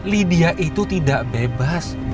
lydia itu tidak bebas